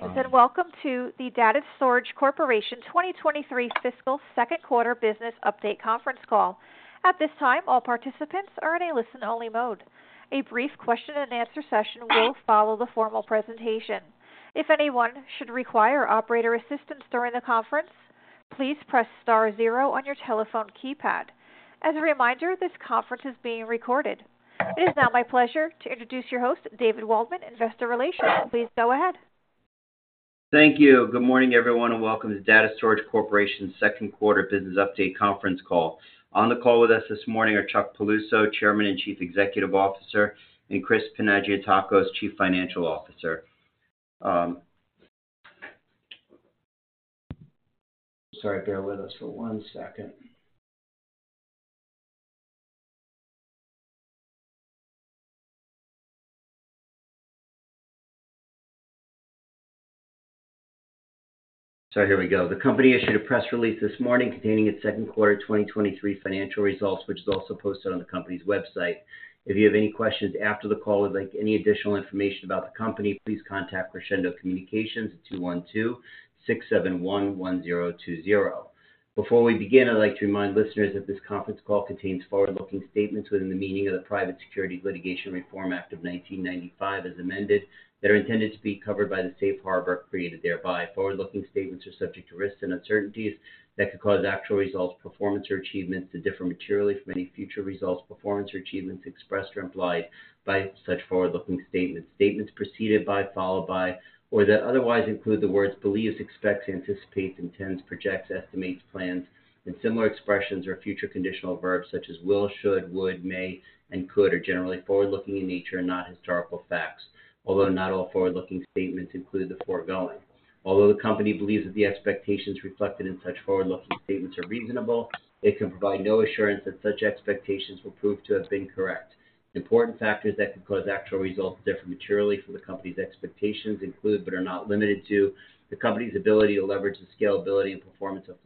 Greetings, welcome to the Data Storage Corporation 2023 Fiscal Q2 Business Update Conference Call. At this time, all participants are in a listen-only mode. A brief question and answer session will follow the formal presentation. If anyone should require operator assistance during the conference, please press star zero on your telephone keypad. As a reminder, this conference is being recorded. It is now my pleasure to introduce your host, David Waldman, Investor Relations. Please go ahead. Thank you. Good morning, everyone, and welcome to Data Storage Corporation's Q2 Business Update Conference Call. On the call with us this morning are Chuck Piluso, Chairman and Chief Executive Officer, and Chris Panagiotakos, Chief Financial Officer. Sorry, bear with us for one second. Here we go. The company issued a press release this morning containing its Q2 2023 financial results, which is also posted on the company's website. If you have any questions after the call or like any additional information about the company, please contact Crescendo Communications at 212-671-1020. Before we begin, I'd like to remind listeners that this conference call contains forward-looking statements within the meaning of the Private Securities Litigation Reform Act of 1995, as amended, that are intended to be covered by the safe harbor created thereby. Forward-looking statements are subject to risks and uncertainties that could cause actual results, performance, or achievements to differ materially from any future results, performance, or achievements expressed or implied by such forward-looking statements. Statements preceded by, followed by, or that otherwise include the words believes, expects, anticipates, intends, projects, estimates, plans, and similar expressions or future conditional verbs such as will, should, would, may, and could, are generally forward-looking in nature and not historical facts, although not all forward-looking statements include the foregoing. Although the company believes that the expectations reflected in such forward-looking statements are reasonable, it can provide no assurance that such expectations will prove to have been correct. Important factors that could cause actual results to differ materially from the company's expectations include, but are not limited to, the company's ability to leverage the scalability and performance of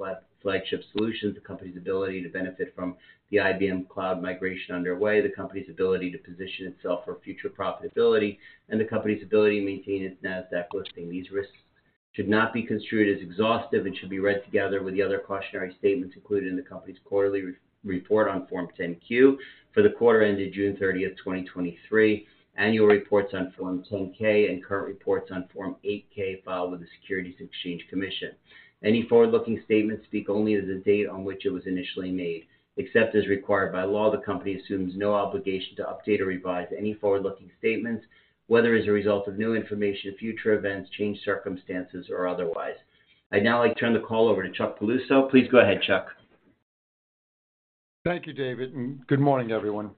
Flagship Solutions, the company's ability to benefit from the IBM cloud migration underway, the company's ability to position itself for future profitability, and the company's ability to maintain its Nasdaq listing. These risks should not be construed as exhaustive and should be read together with the other cautionary statements included in the company's quarterly report on Form 10-Q for the quarter ended June 30th, 2023, annual reports on Form 10-K, and current reports on Form 8-K filed with the Securities and Exchange Commission. Any forward-looking statements speak only as of the date on which it was initially made. Except as required by law, the company assumes no obligation to update or revise any forward-looking statements, whether as a result of new information, future events, changed circumstances, or otherwise. I'd now like to turn the call over to Chuck Piluso. Please go ahead, Chuck. Thank you, David. Good morning, everyone.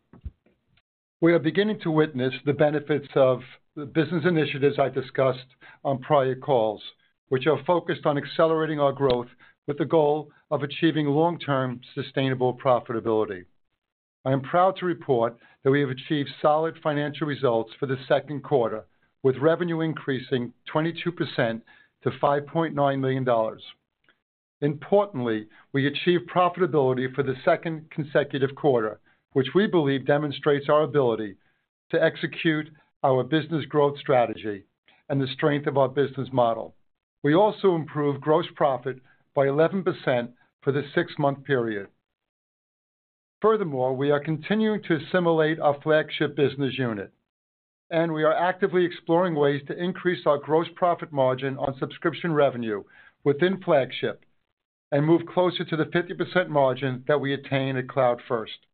We are beginning to witness the benefits of the business initiatives I discussed on prior calls, which are focused on accelerating our growth with the goal of achieving long-term sustainable profitability. I am proud to report that we have achieved solid financial results for the Q2, with revenue increasing 22% to $5.9 million. Importantly, we achieved profitability for the second consecutive quarter, which we believe demonstrates our ability to execute our business growth strategy and the strength of our business model. We also improved gross profit by 11% for the 6-month period. We are continuing to assimilate our Flagship business unit, and we are actively exploring ways to increase our gross profit margin on subscription revenue within Flagship and move closer to the 50% margin that we attain at CloudFirst.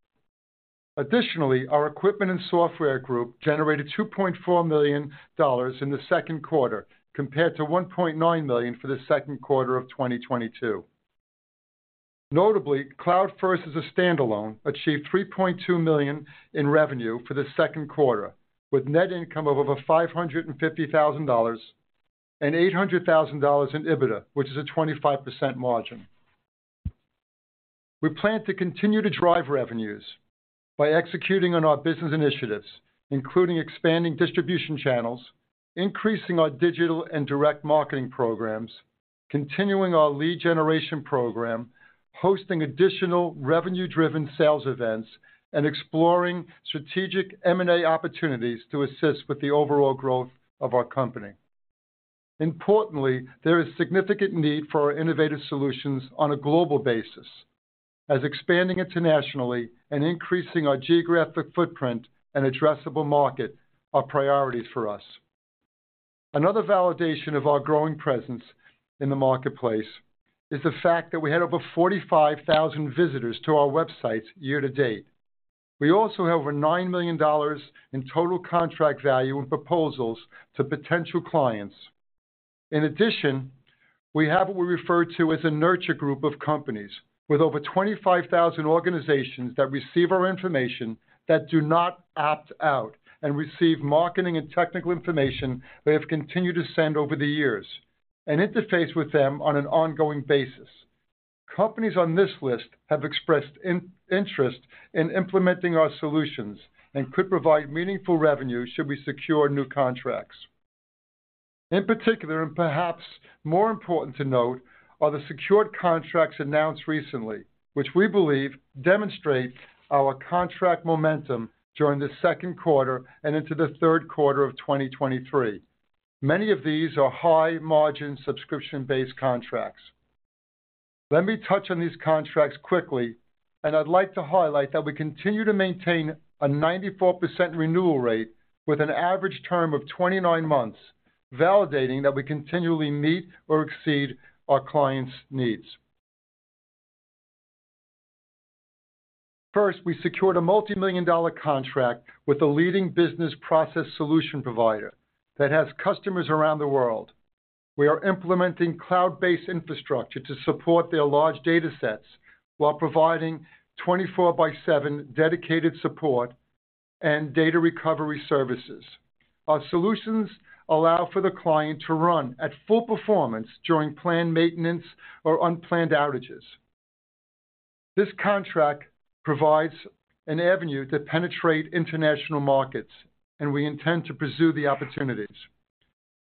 Additionally, our equipment and software group generated $2.4 million in the Q2, compared to $1.9 million for the Q2 of 2022. Notably, CloudFirst as a standalone achieved $3.2 million in revenue for the Q2, with net income of over $550,000 and $800,000 in EBITDA, which is a 25% margin. We plan to continue to drive revenues by executing on our business initiatives, including expanding distribution channels, increasing our digital and direct marketing programs, continuing our lead generation program, hosting additional revenue-driven sales events, and exploring strategic M&A opportunities to assist with the overall growth of our company. Importantly, there is significant need for our innovative solutions on a global basis, as expanding internationally and increasing our geographic footprint and addressable market are priorities for us. Another validation of our growing presence in the marketplace is the fact that we had over 45,000 visitors to our website year to date. We also have over $9 million in Total Contract Value and proposals to potential clients. In addition, we have what we refer to as a nurture group of companies with over 25,000 organizations that receive our information, that do not opt out, and receive marketing and technical information we have continued to send over the years, and interface with them on an ongoing basis. Companies on this list have expressed interest in implementing our solutions and could provide meaningful revenue should we secure new contracts. In particular, and perhaps more important to note are the secured contracts announced recently, which we believe demonstrate our contract momentum during the Q2 and into the Q3 of 2023. Many of these are high-margin, subscription-based contracts. Let me touch on these contracts quickly. I'd like to highlight that we continue to maintain a 94% renewal rate with an average term of 29 months, validating that we continually meet or exceed our clients' needs. First, we secured a multimillion-dollar contract with a leading business process solution provider that has customers around the world. We are implementing cloud-based infrastructure to support their large datasets while providing twenty-four by seven dedicated support and data recovery services. Our solutions allow for the client to run at full performance during planned maintenance or unplanned outages. This contract provides an avenue to penetrate international markets, and we intend to pursue the opportunities.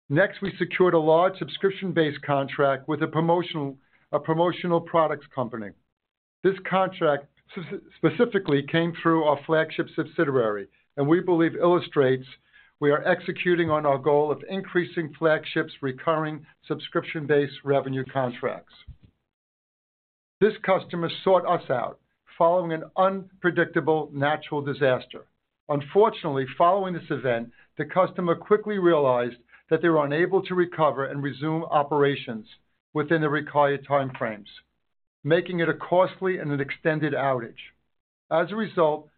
Next, we secured a large subscription-based contract with a promotional products company. This contract specifically came through our Flagship subsidiary, and we believe illustrates we are executing on our goal of increasing Flagship's recurring subscription-based revenue contracts. This customer sought us out following an unpredictable natural disaster. Unfortunately, following this event, the customer quickly realized that they were unable to recover and resume operations within the required time frames, making it a costly and an extended outage. As a result,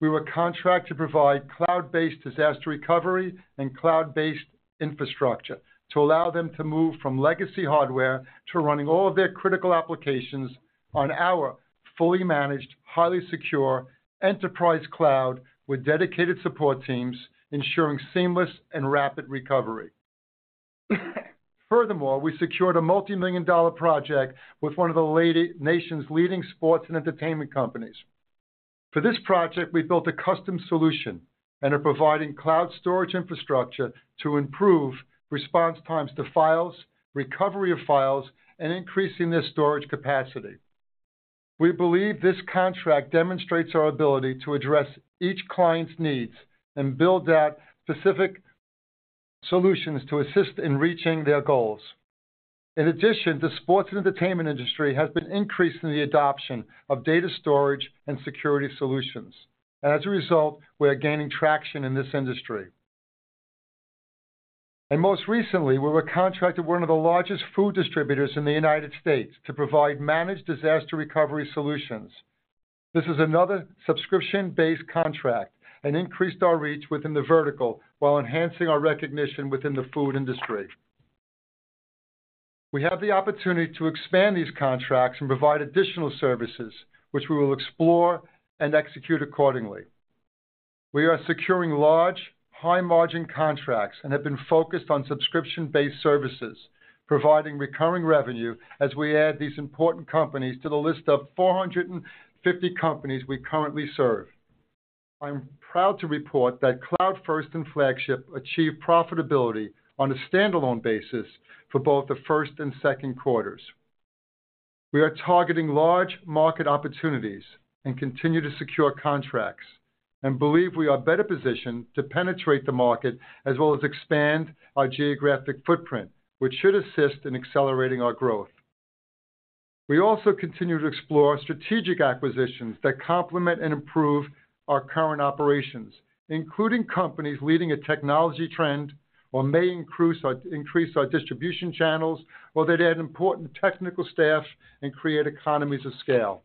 we were contracted to provide cloud-based disaster recovery and cloud-based infrastructure to allow them to move from legacy hardware to running all of their critical applications on our fully managed, highly secure enterprise cloud, with dedicated support teams ensuring seamless and rapid recovery. Furthermore, we secured a multimillion-dollar project with one of the nation's leading sports and entertainment companies. For this project, we built a custom solution and are providing cloud storage infrastructure to improve response times to files, recovery of files, and increasing their storage capacity. We believe this contract demonstrates our ability to address each client's needs and build out specific solutions to assist in reaching their goals. In addition, the sports and entertainment industry has been increasing the adoption of data storage and security solutions, and as a result, we are gaining traction in this industry. Most recently, we were contracted with one of the largest food distributors in the United States to provide managed disaster recovery solutions. This is another subscription-based contract and increased our reach within the vertical while enhancing our recognition within the food industry. We have the opportunity to expand these contracts and provide additional services, which we will explore and execute accordingly. We are securing large, high-margin contracts and have been focused on subscription-based services, providing recurring revenue as we add these important companies to the list of 450 companies we currently serve. I'm proud to report that CloudFirst and Flagship achieved profitability on a standalone basis for both the first and Q2s. We are targeting large market opportunities and continue to secure contracts, believe we are better positioned to penetrate the market as well as expand our geographic footprint, which should assist in accelerating our growth. We also continue to explore strategic acquisitions that complement and improve our current operations, including companies leading a technology trend or may increase our distribution channels, or that add important technical staff and create economies of scale.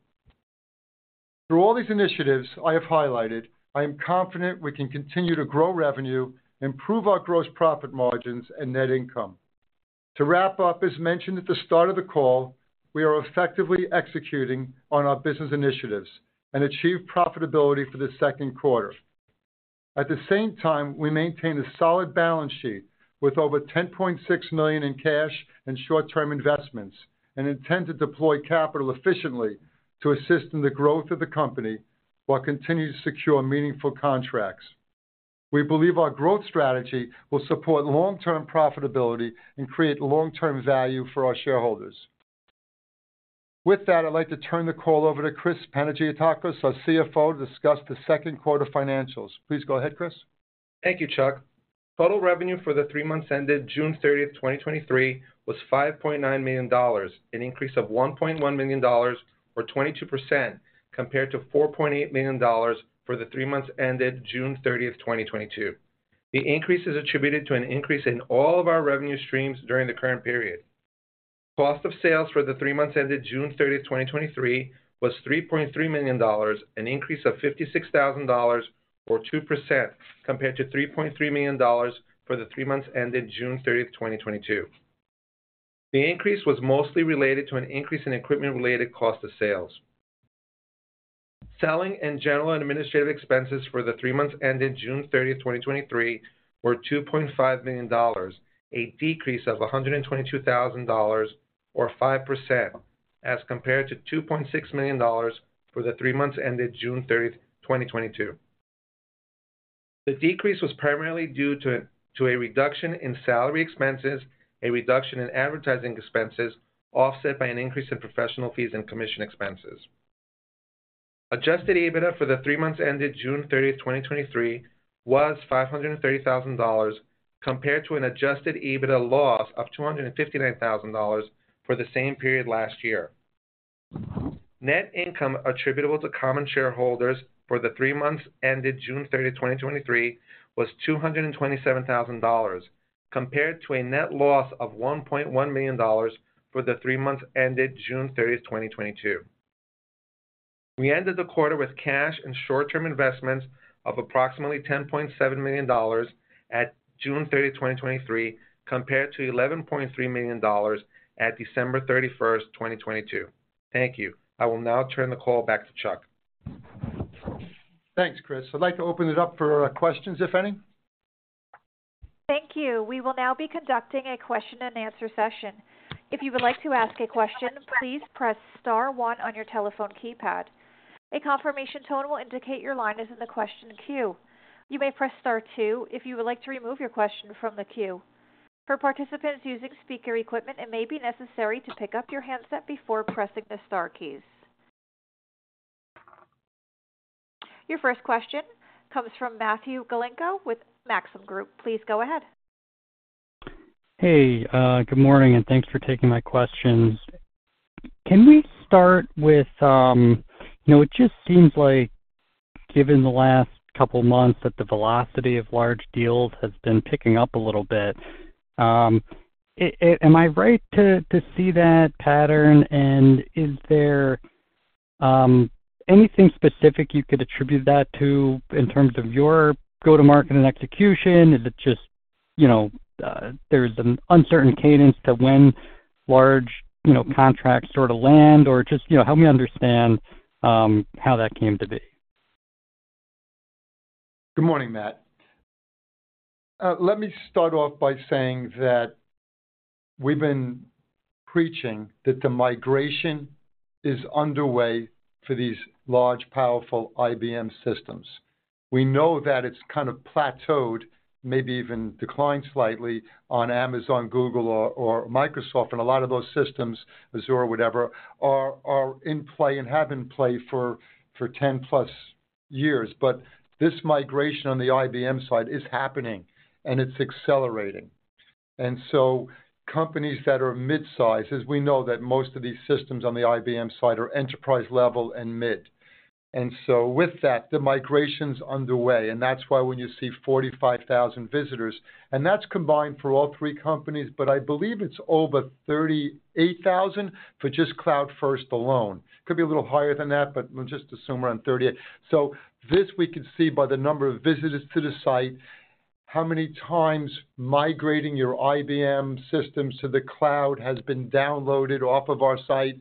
Through all these initiatives I have highlighted, I am confident we can continue to grow revenue, improve our gross profit margins and net income. To wrap up, as mentioned at the start of the call, we are effectively executing on our business initiatives and achieved profitability for the Q2. At the same time, we maintain a solid balance sheet with over $10.6 million in cash and short-term investments, and intend to deploy capital efficiently to assist in the growth of the company, while continuing to secure meaningful contracts. We believe our growth strategy will support long-term profitability and create long-term value for our shareholders. With that, I'd like to turn the call over to Chris Panagiotakos, our CFO, to discuss the Q2 financials. Please go ahead, Chris. Thank you, Chuck. Total revenue for the three months ended June 30th, 2023, was $5.9 million, an increase of $1.1 million, or 22%, compared to $4.8 million for the three months ended June 30th, 2022. The increase is attributed to an increase in all of our revenue streams during the current period. Cost of sales for the three months ended June 30th, 2023, was $3.3 million, an increase of $56,000 or 2%, compared to $3.3 million for the three months ended June 30th, 2022. The increase was mostly related to an increase in equipment-related cost of sales. Selling and general and administrative expenses for the 3 months ended June 30th, 2023, were $2.5 million, a decrease of $122,000 or 5%, as compared to $2.6 million for the 3 months ended June 30th, 2022. The decrease was primarily due to a reduction in salary expenses, a reduction in advertising expenses, offset by an increase in professional fees and commission expenses. Adjusted EBITDA for the 3 months ended June 30th, 2023, was $530,000, compared to an Adjusted EBITDA loss of $259,000 for the same period last year. Net income attributable to common shareholders for the three months ended June 30th, 2023, was $227,000, compared to a net loss of $1.1 million for the three months ended June 30th, 2022. We ended the quarter with cash and short-term investments of approximately $10.7 million at June 30th, 2023, compared to $11.3 million at December 31st, 2022. Thank you. I will now turn the call back to Chuck. Thanks, Chris. I'd like to open it up for questions, if any. Thank you. We will now be conducting a question and answer session. If you would like to ask a question, please press star one on your telephone keypad. A confirmation tone will indicate your line is in the question queue. You may press star two if you would like to remove your question from the queue. For participants using speaker equipment, it may be necessary to pick up your handset before pressing the star keys. Your first question comes from Matthew Galinko with Maxim Group. Please go ahead. Hey, good morning. Thanks for taking my questions. Can we start with... You know, it just seems like, given the last couple months, that the velocity of large deals has been picking up a little bit. Am I right to see that pattern? Is there anything specific you could attribute that to in terms of your go-to-market and execution? Is it just, you know, there's an uncertain cadence to when large, you know, contracts sort of land? Just, you know, help me understand how that came to be. Good morning, Matt. Let me start off by saying that we've been preaching that the migration is underway for these large, powerful IBM systems. We know that it's kind of plateaued, maybe even declined slightly on Amazon, Google, or, or Microsoft, and a lot of those systems, Azure or whatever, are, are in play and have been play for, for 10+ years. This migration on the IBM side is happening, and it's accelerating. Companies that are mid-size, as we know, that most of these systems on the IBM side are enterprise level and mid. With that, the migration's underway, and that's why when you see 45,000 visitors, and that's combined for all three companies, but I believe it's over 38,000 for just Cloud First alone. Could be a little higher than that, but we'll just assume around 38. This we can see by the number of visitors to the site, how many times migrating your IBM systems to the cloud has been downloaded off of our site.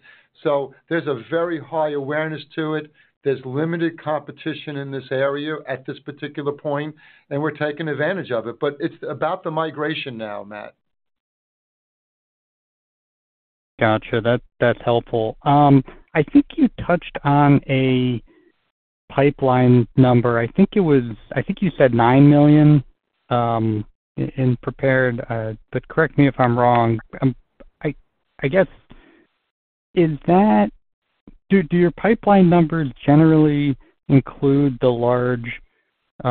There's a very high awareness to it. There's limited competition in this area at this particular point, and we're taking advantage of it. It's about the migration now, Matt. Gotcha. That, that's helpful. I think you touched on a pipeline number. I think it was-- I think you said $9 million in prepared, but correct me if I'm wrong. I, I guess, is that... Do, do your pipeline numbers generally include the large, you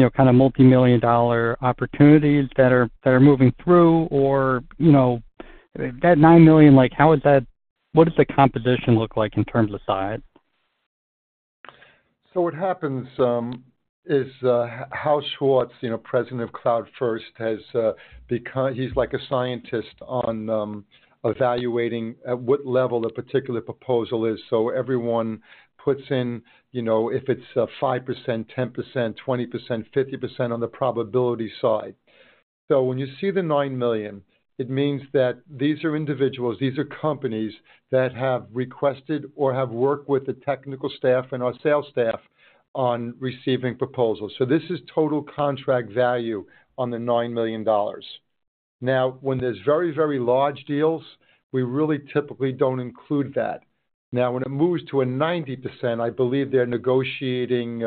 know, kind of multimillion-dollar opportunities that are, that are moving through? Or, you know, that $9 million, like, how is that-- what does the composition look like in terms of size? What happens is Hal Schwartz, you know, president of CloudFirst, has become. He's like a scientist on evaluating at what level a particular proposal is. Everyone puts in, you know, if it's 5%, 10%, 20%, 50% on the probability side. When you see the $9 million, it means that these are individuals, these are companies that have requested or have worked with the technical staff and our sales staff on receiving proposals. This is Total Contract Value on the $9 million. Now, when there's very, very large deals, we really typically don't include that. Now, when it moves to a 90%, I believe they're negotiating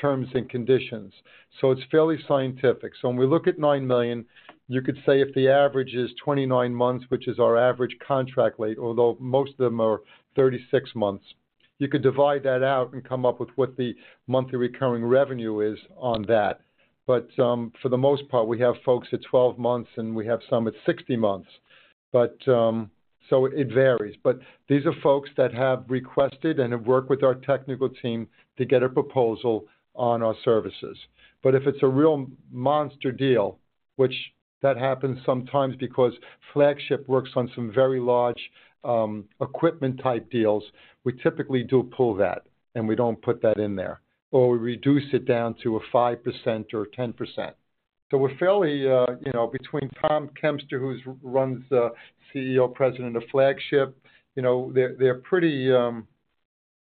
terms and conditions, so it's fairly scientific. When we look at $9 million, you could say if the average is 29 months, which is our average contract length, although most of them are 36 months, you could divide that out and come up with what the monthly recurring revenue is on that. For the most part, we have folks at 12 months, and we have some at 60 months, but it varies. These are folks that have requested and have worked with our technical team to get a proposal on our services. If it's a real monster deal, which that happens sometimes because Flagship works on some very large equipment-type deals, we typically do pull that, and we don't put that in there, or we reduce it down to a 5% or 10%. We're fairly, you know, between Tom Kempster, who's runs the CEO, President of Flagship, you know, they're, they're pretty...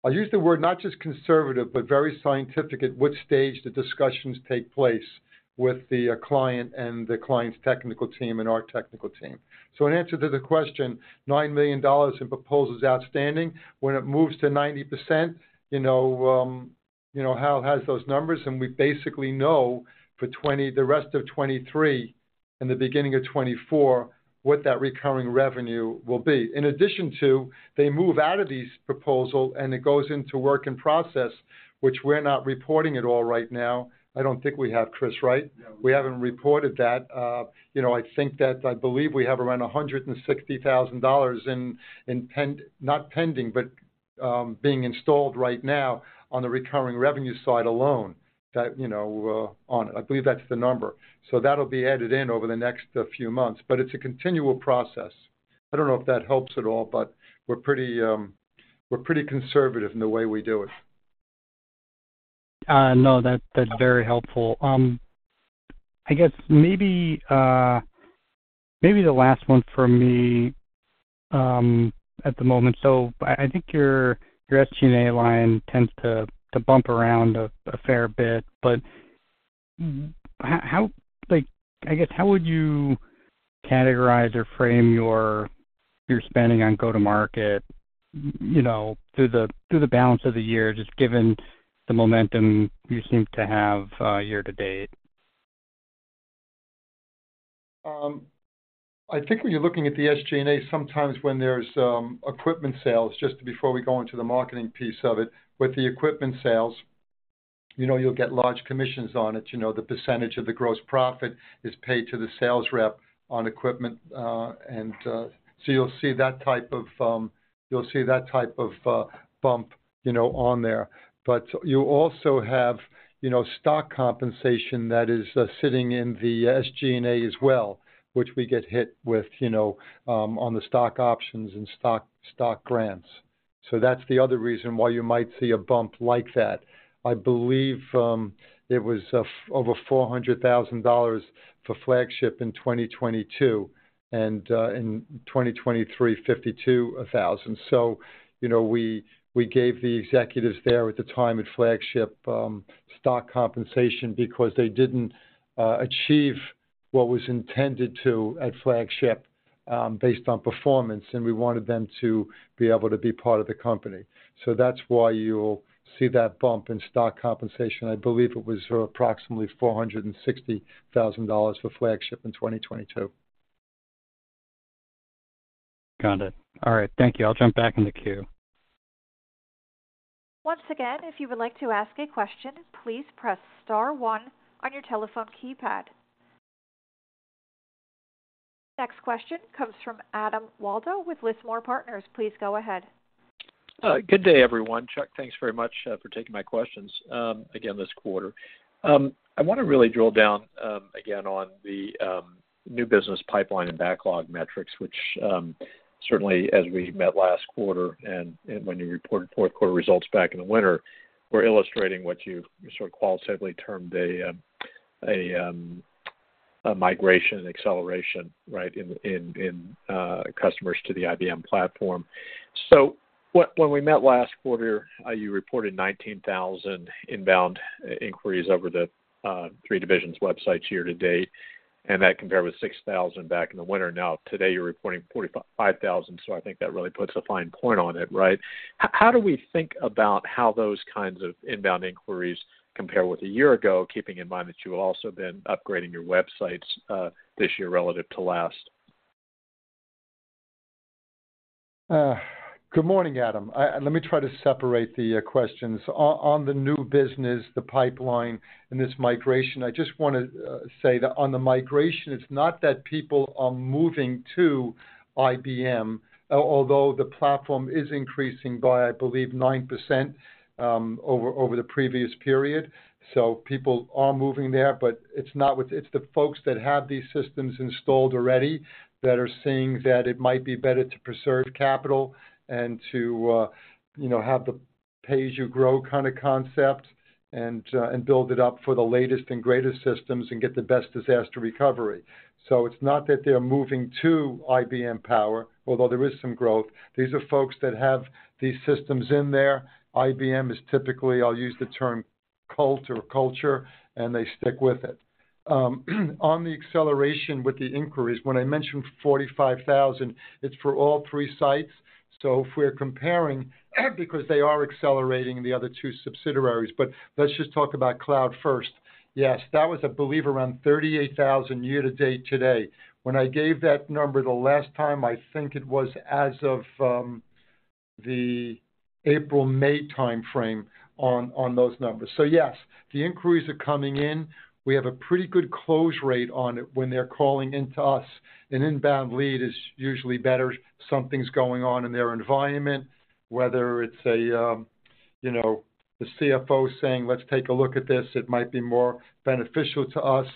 I'll use the word not just conservative, but very scientific at what stage the discussions take place with the client and the client's technical team and our technical team. In answer to the question, $9 million in proposals outstanding. When it moves to 90%, you know, Hal has those numbers, and we basically know for the rest of 2023 and the beginning of 2024, what that recurring revenue will be. In addition to, they move out of these proposal, and it goes into work in process, which we're not reporting at all right now. I don't think we have, Chris, right? Yeah. We haven't reported that. you know, I think that I believe we have around $160,000 in, in pend... Not pending, but, being installed right now on the recurring revenue side alone, that, you know, on it. I believe that's the number. That'll be added in over the next few months, but it's a continual process. I don't know if that helps at all, but we're pretty, we're pretty conservative in the way we do it. No, that's, that's very helpful. I guess maybe, maybe the last one for me, at the moment. I, I think your, your SG&A line tends to, to bump around a, a fair bit, but how, how, like, I guess, how would you categorize or frame your, your spending on go-to-market, you know, through the, through the balance of the year, just given the momentum you seem to have, year-to-date? I think when you're looking at the SG&A, sometimes when there's equipment sales, just before we go into the marketing piece of it, with the equipment sales, you know, you'll get large commissions on it. You know, the percentage of the gross profit is paid to the sales rep on equipment, and so you'll see that type of, you'll see that type of bump, you know, on there. You also have, you know, stock compensation that is sitting in the SG&A as well, which we get hit with, you know, on the stock options and stock, stock grants. That's the other reason why you might see a bump like that. I believe it was over $400,000 for Flagship in 2022, and in 2023, $52,000. You know, we, we gave the executives there at the time at Flagship, stock compensation because they didn't achieve what was intended to at Flagship, based on performance, and we wanted them to be able to be part of the company. That's why you'll see that bump in stock compensation. I believe it was approximately $460,000 for Flagship in 2022. Got it. All right. Thank you. I'll jump back in the queue. Once again, if you would like to ask a question, please press star one on your telephone keypad. Next question comes from Adam Waldo with Lismore Partners. Please go ahead. Good day, everyone. Chuck, thanks very much for taking my questions again this quarter. I want to really drill down again on the new business pipeline and backlog metrics, which certainly as we met last quarter and when you reported Q4 results back in the winter, we're illustrating what you sort of qualitatively termed a migration, an acceleration, right, in customers to the IBM platform. When we met last quarter, you reported 19,000 inbound inquiries over the 3 divisions websites year to date, and that compared with 6,000 back in the winter. Now, today, you're reporting 45,000, I think that really puts a fine point on it, right? How do we think about how those kinds of inbound inquiries compare with a year ago, keeping in mind that you've also been upgrading your websites, this year relative to last? Good morning, Adam. Let me try to separate the questions. On, on the new business, the pipeline and this migration, I just want to say that on the migration, it's not that people are moving to IBM, although the platform is increasing by, I believe, 9% over, over the previous period. People are moving there, but it's not with... It's the folks that have these systems installed already that are seeing that it might be better to preserve capital and to, you know, have the pay-as-you-grow kind of concept and, and build it up for the latest and greatest systems and get the best disaster recovery. It's not that they're moving to IBM Power, although there is some growth. These are folks that have these systems in there. IBM is typically, I'll use the term, cult or culture, and they stick with it. On the acceleration with the inquiries, when I mentioned 45,000, it's for all 3 sites. If we're comparing, because they are accelerating the other 2 subsidiaries, but let's just talk about Cloud First. Yes, that was, I believe, around 38,000 year to date today. When I gave that number the last time, I think it was as of the April, May timeframe on, on those numbers. Yes, the inquiries are coming in. We have a pretty good close rate on it when they're calling into us. An inbound lead is usually better. Something's going on in their environment, whether it's a, you know, the CFO saying, "Let's take a look at this, it might be more beneficial to us."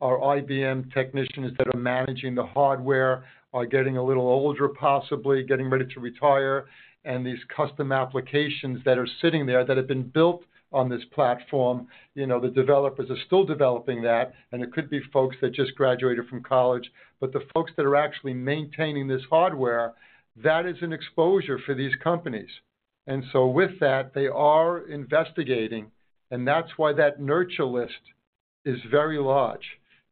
Our IBM technicians that are managing the hardware are getting a little older, possibly getting ready to retire, and these custom applications that are sitting there that have been built on this platform, you know, the developers are still developing that, and it could be folks that just graduated from college. The folks that are actually maintaining this hardware, that is an exposure for these companies. With that, they are investigating, and that's why that nurture list is very large,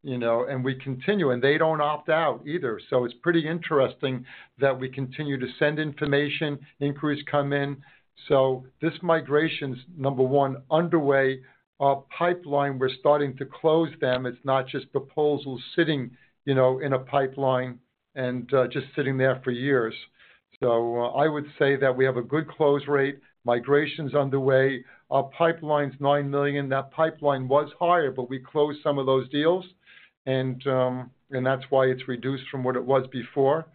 you know, and we continue, and they don't opt out either. It's pretty interesting that we continue to send information, inquiries come in. This migration's, number one, underway. Our pipeline, we're starting to close them. It's not just proposals sitting, you know, in a pipeline and just sitting there for years. I would say that we have a good close rate. Migration's underway. Our pipeline's $9 million. That pipeline was higher, but we closed some of those deals, and that's why it's reduced from what it was before.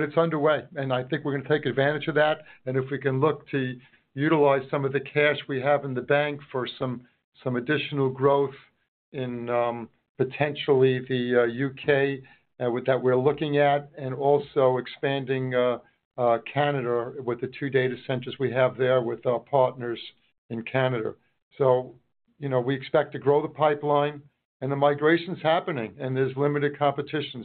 It's underway, and I think we're gonna take advantage of that, and if we can look to utilize some of the cash we have in the bank for some, some additional growth in potentially the UK, with that, we're looking at, and also expanding Canada with the two data centers we have there with our partners in Canada. You know, we expect to grow the pipeline, and the migration's happening, and there's limited competition.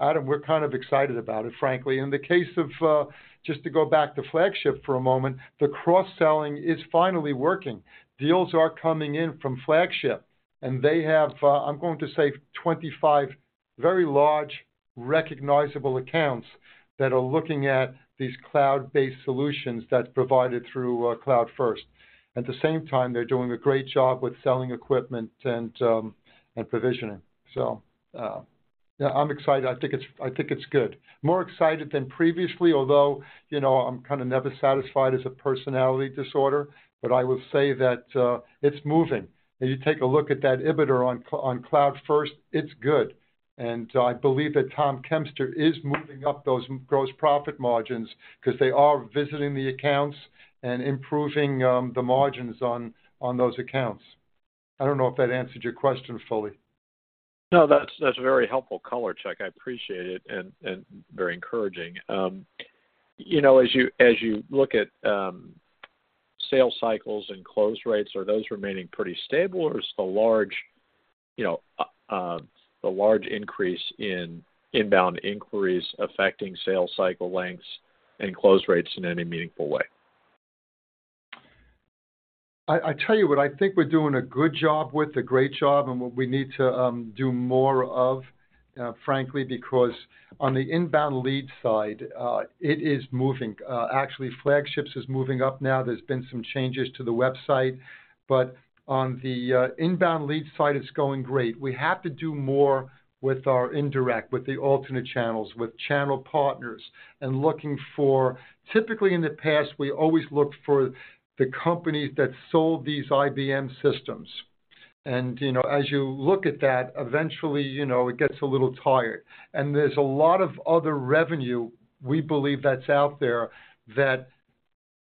Adam, we're kind of excited about it, frankly. In the case of, just to go back to Flagship for a moment, the cross-selling is finally working. Deals are coming in from Flagship, and they have, I'm going to say, 25 very large, recognizable accounts that are looking at these cloud-based solutions that's provided through, CloudFirst. At the same time, they're doing a great job with selling equipment and provisioning. Yeah, I'm excited. I think it's, I think it's good. More excited than previously, although, you know, I'm kind of never satisfied, it's a personality disorder, but I will say that, it's moving. You take a look at that EBITDA on Cl- on CloudFirst, it's good. I believe that Tom Kempster is moving up those gross profit margins because they are visiting the accounts and improving, the margins on, on those accounts. I don't know if that answered your question fully. No, that's, that's very helpful color, Chuck. I appreciate it and, and very encouraging. You know, as you, as you look at, sales cycles and close rates, are those remaining pretty stable, or is the large, you know, the large increase in inbound inquiries affecting sales cycle lengths and close rates in any meaningful way? I, I tell you what, I think we're doing a good job with, a great job, and what we need to do more of, frankly, because on the inbound lead side, it is moving. Actually, Flagship's is moving up now. There's been some changes to the website, but on the inbound lead side, it's going great. We have to do more with our indirect, with the alternate channels, with channel partners, and looking for. Typically, in the past, we always looked for the companies that sold these IBM systems. You know, as you look at that, eventually, you know, it gets a little tired. There's a lot of other revenue we believe that's out there, that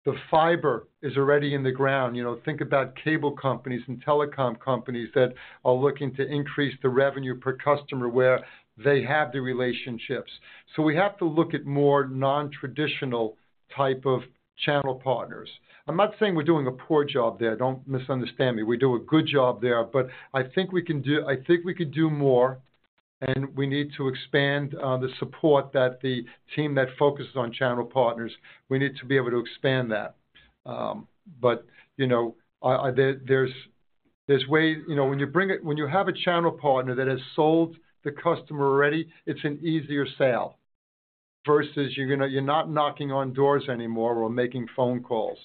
the fiber is already in the ground. You know, think about cable companies and telecom companies that are looking to increase the revenue per customer, where they have the relationships. We have to look at more nontraditional type of channel partners. I'm not saying we're doing a poor job there. Don't misunderstand me. We do a good job there, I think we can do-- I think we could do more, and we need to expand the support that the team that focuses on channel partners, we need to be able to expand that. You know, there, there's, there's way... You know, when you bring it-- when you have a channel partner that has sold the customer already, it's an easier sale versus you're gonna-- you're not knocking on doors anymore or making phone calls.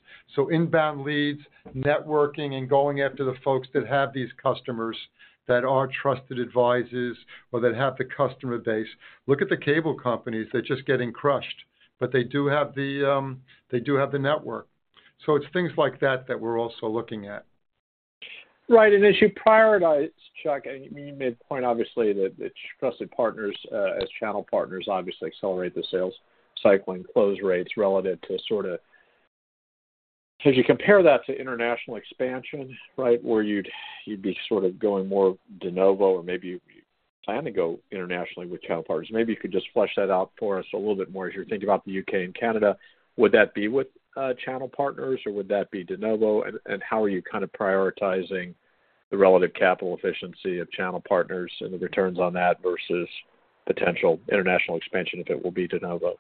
Inbound leads, networking, and going after the folks that have these customers, that are trusted advisors or that have the customer base. Look at the cable companies, they're just getting crushed, but they do have the, they do have the network. It's things like that that we're also looking at. Right. As you prioritize, Chuck, and you made the point, obviously, that the trusted partners, as channel partners obviously accelerate the sales cycle and close rates relative to sort of. If you compare that to international expansion, right? Where you'd, you'd be sort of going more de novo, or maybe you plan to go internationally with channel partners. Maybe you could just flesh that out for us a little bit more. As you're thinking about the U.K. and Canada, would that be with channel partners, or would that be de novo, and how are you kind of prioritizing the relative capital efficiency of channel partners and the returns on that versus potential international expansion, if it will be de novo?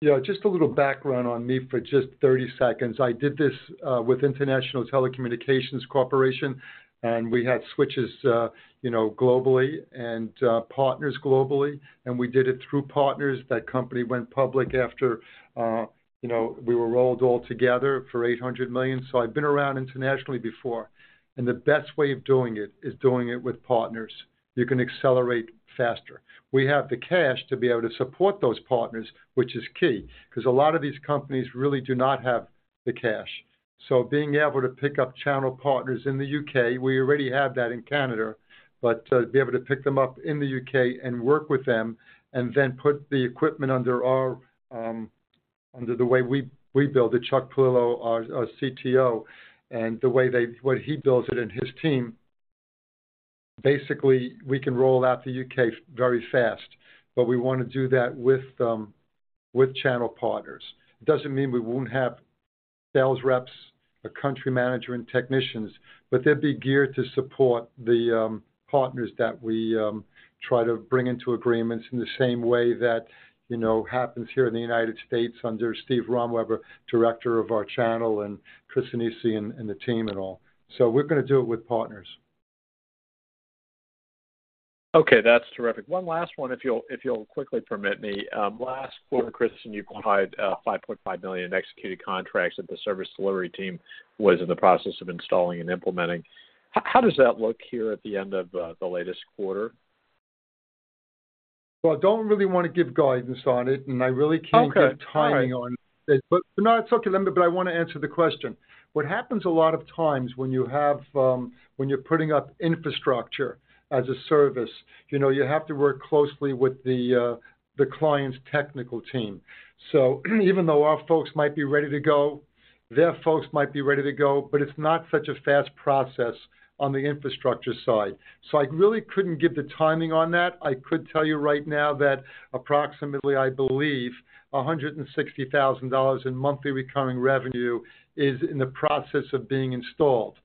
Yeah, just a little background on me for just 30 seconds. I did this with International Telecommunications Corporation, and we had switches, you know, globally and partners globally, and we did it through partners. That company went public after, you know, we were rolled all together for $800 million. I've been around internationally before, and the best way of doing it is doing it with partners. You can accelerate faster. We have the cash to be able to support those partners, which is key, because a lot of these companies really do not have the cash. Being able to pick up channel partners in the U.K., we already have that in Canada, to be able to pick them up in the U.K. and work with them and then put the equipment under our, under the way we, we build it, Chuck Piluso, our CTO, and the way he builds it and his team, basically, we can roll out the U.K. very fast, we want to do that with channel partners. It doesn't mean we won't have sales reps, a country manager, and technicians, but they'd be geared to support the partners that we try to bring into agreements in the same way that, you know, happens here in the United States under Steve Romweber, director of our channel, and Chris Nisi and the team and all. We're gonna do it with partners. Okay, that's terrific. One last one, if you'll, if you'll quickly permit me. Last quarter, Chris, you provided, $5.5 million in executed contracts that the service delivery team was in the process of installing and implementing. How does that look here at the end of the latest quarter? Well, I don't really want to give guidance on it, and I really can't. Okay. No, it's okay, but I want to answer the question. What happens a lot of times when you have, when you're putting up infrastructure as a service, you know, you have to work closely with the client's technical team. Even though our folks might be ready to go, their folks might be ready to go, but it's not such a fast process on the infrastructure side. I really couldn't give the timing on that. I could tell you right now that approximately, I believe, $160,000 in monthly recurring revenue is in the process of being installed.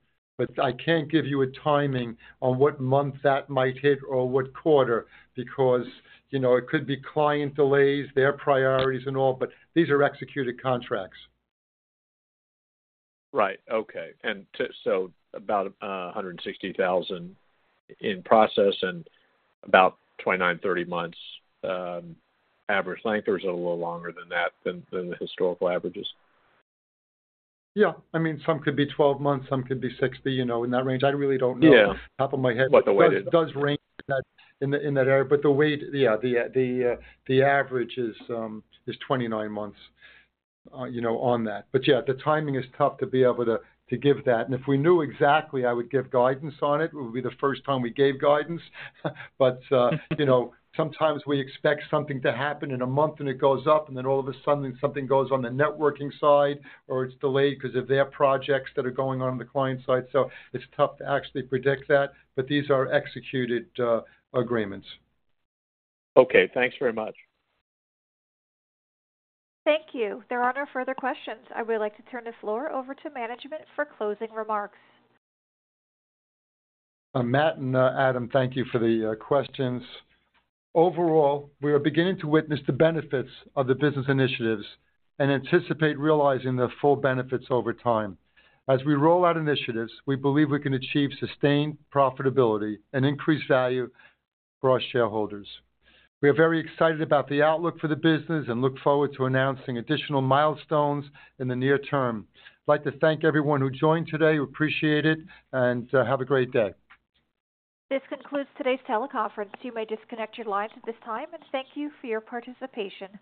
I can't give you a timing on what month that might hit or what quarter, because, you know, it could be client delays, their priorities and all, but these are executed contracts. Right. Okay. So about 160,000 in process and about 29-30 months, average length, or is it a little longer than that than, than the historical averages? Yeah. I mean, some could be 12 months, some could be 60, you know, in that range. I really don't know- Yeah off the top of my head. The way it is. It does range in that, in that, in that area. But the way, the average is 29 months, you know, on that. Yeah, the timing is tough to be able to, to give that. If we knew exactly, I would give guidance on it. It would be the first time we gave guidance. You know, sometimes we expect something to happen in a month and it goes up, and then all of a sudden, something goes on the networking side or it's delayed 'cause of their projects that are going on on the client side. It's tough to actually predict that, but these are executed agreements. Okay, thanks very much. Thank you. There are no further questions. I would like to turn the floor over to management for closing remarks. Matt and Adam, thank you for the questions. Overall, we are beginning to witness the benefits of the business initiatives and anticipate realizing the full benefits over time. As we roll out initiatives, we believe we can achieve sustained profitability and increase value for our shareholders. We are very excited about the outlook for the business and look forward to announcing additional milestones in the near term. I'd like to thank everyone who joined today. We appreciate it, and have a great day. This concludes today's teleconference. You may disconnect your lines at this time. Thank you for your participation.